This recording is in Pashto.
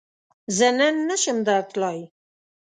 زۀ نن نشم درتلای